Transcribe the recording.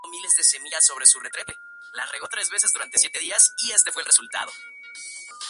Basado en la película del mismo nombre.